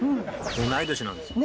同い年なんですよ。